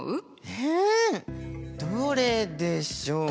えどれでしょう？